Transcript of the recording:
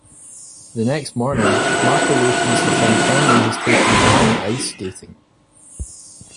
The next morning, Mark awakens to find Henry has taken Connie ice skating.